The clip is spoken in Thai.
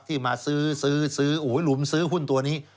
ที่มาซื้อซื้อซื้อหุ้นหุ้นตัวนี้